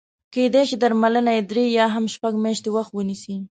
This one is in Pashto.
کېدای شي درملنه یې درې یا هم شپږ میاشتې وخت ونیسي.